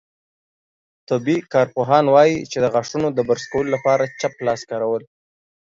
طبي کارپوهان وايي، چې د غاښونو د برس کولو لپاره چپ لاس کارول